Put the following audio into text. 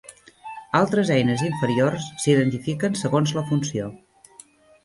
Altres eines inferiors s'identifiquen segons la funció.